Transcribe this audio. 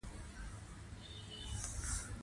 قومونه د افغانستان په طبیعت کې مهم رول لري.